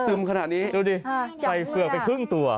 ขนาดนี้ดูดิใส่เฝือกไปครึ่งตัว